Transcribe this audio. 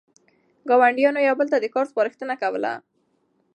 ګاونډیانو یو بل ته د کار سپارښتنه کوله.